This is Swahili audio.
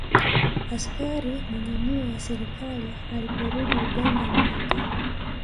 Askari Mwenye Nia ya Serikali Aliporudi Uganda mwaka